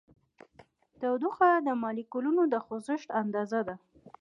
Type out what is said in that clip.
تودوخه د مالیکولونو د خوځښت اندازه ده.